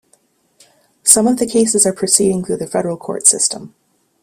Some of the cases are proceeding through the federal court system.